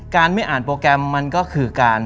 ไม่อ่านโปรแกรมมันก็คือการ